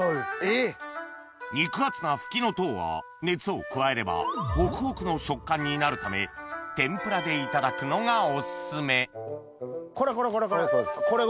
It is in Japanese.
肉厚なフキノトウは熱を加えればになるため天ぷらでいただくのがお薦めこれこれこれこれこれ。